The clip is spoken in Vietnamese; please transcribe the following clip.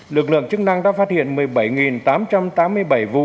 lực lượng chức năng đã phát hiện một mươi bảy tám trăm tám mươi bảy vụ phạm pháp